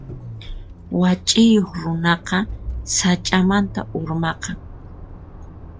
Wach'iyuq runaqa sach'amanta urmaqan.